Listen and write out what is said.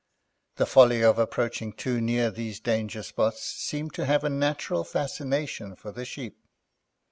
The folly of approaching too near these danger spots seemed to have a natural fascination for the Sheep.